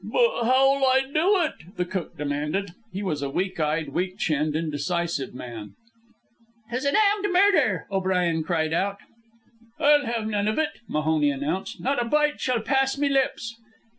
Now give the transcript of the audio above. "But how'll I do it," the cook demanded. He was a weak eyed, weak chinned, indecisive man. "'Tis a damned murder!" O'Brien cried out. "I'll have none of ut," Mahoney announced. "Not a bite shall pass me lips."